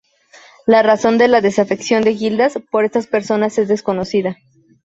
La razón de la desafección de Gildas por estas personas es desconocida.